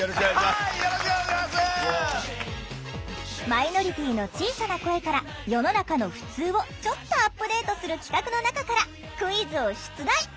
マイノリティーの小さな声から世の中のふつうをちょっとアップデートする企画の中からクイズを出題！